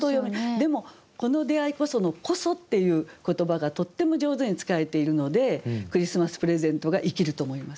でも「この出ひこそ」の「こそ」っていう言葉がとっても上手に使えているので「クリスマスプレゼント」が生きると思います。